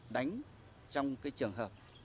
đánh trong cái trường hợp